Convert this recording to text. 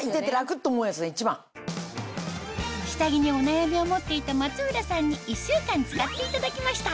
下着にお悩みを持っていた松浦さんに１週間使っていただきました